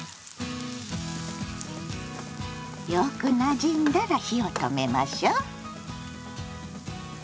よくなじんだら火を止めましょう。